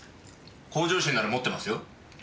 向上心なら持ってますよ。